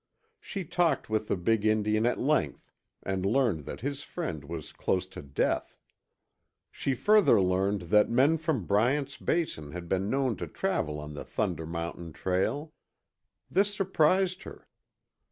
She talked with the big Indian at length and learned that his friend was close to death. She further learned that men from Bryant's Basin had been known to travel on the Thunder Mountain trail. This surprised her.